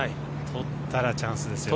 とったらチャンスですよ。